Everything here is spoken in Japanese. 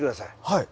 はい。